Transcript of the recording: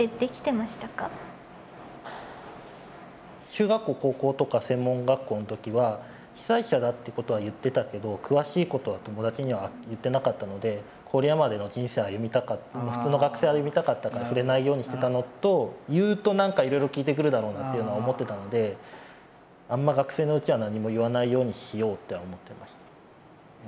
中学校高校とか専門学校の時は被災者だってことは言ってたけど詳しいことは友達には言ってなかったので郡山での人生歩みたかった普通の学生歩みたかったから触れないようにしてたのと言うと何かいろいろ聞いてくるだろうなっていうのは思ってたのであんま学生のうちは何も言わないようにしようと思ってました。